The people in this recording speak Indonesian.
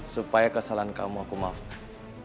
supaya kesalahan kamu aku maafkan